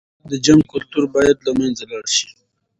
د جنګ کلتور بايد له منځه لاړ شي.